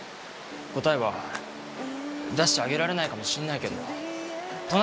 答えは出してあげられないかもしんないけど隣で話聞くよ！